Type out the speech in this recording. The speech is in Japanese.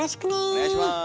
お願いします。